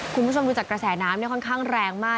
คุณผู้ชมดูจากกระแสน้ำค่อนข้างแรงมาก